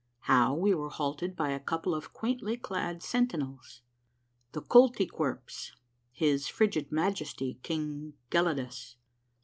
— HOW WE WERE HALTED BY A COUPLE OF QUAINTLY CLAD SENTINELS. — THE KOLTY KWERPS. — HIS FRIGID MAJESTY KING GELIDUS.